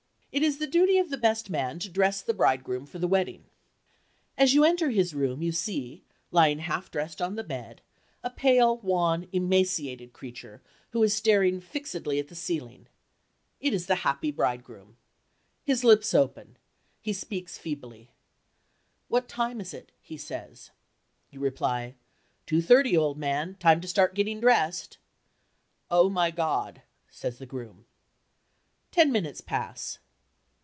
It is the duty of the best man to dress the bridegroom for the wedding. As you enter his room you see, lying half dressed on the bed, a pale, wan, emaciated creature, who is staring fixedly at the ceiling. It is the happy bridegroom. His lips open. He speaks feebly. "What time is it?" he says. You reply, "Two thirty, old man. Time to start getting dressed." "Oh, my God!" says the groom. Ten minutes pass.